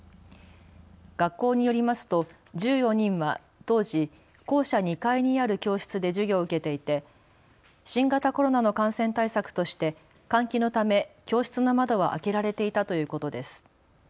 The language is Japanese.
学校によりますと１４人は当時、校舎２階にある教室で授業を受けていて新型コロナの感染対策として換気のため教室の窓は開けられていたということです。